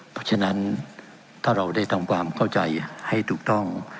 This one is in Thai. เพราะฉะนั้นถ้าเราได้ทำความเข้าใจให้ถูกต้อง